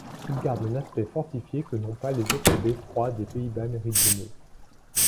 Il garde un aspect fortifié que n’ont pas les autres beffrois des Pays-Bas méridionaux.